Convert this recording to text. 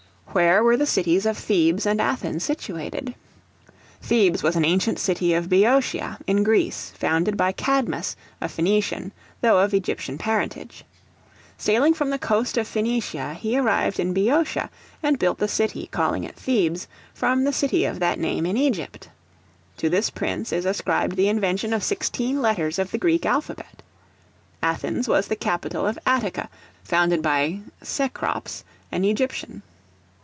Where were the cities of Thebes and Athens situated? Thebes was an ancient city of Beotia, in Greece, founded by Cadmus, a Phenician, though of Egyptian parentage. Sailing from the coast of Phenicia, he arrived in Beotia, and built the city, calling it Thebes, from the city of that name in Egypt. To this prince is ascribed the invention of sixteen letters of the Greek Alphabet. Athens was the capital of Attica, founded by Cecrops, an Egyptian.